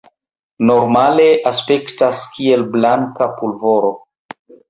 Normale aspektas kiel blanka pulvoro.